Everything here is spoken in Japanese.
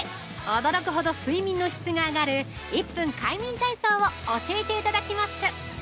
驚くほど睡眠の質が上がる１分快眠体操を教えていただきます。